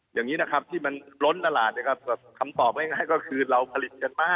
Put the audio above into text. อย่างนี้นะครับที่มันล้นตลาดนะครับคำตอบง่ายก็คือเราผลิตกันมาก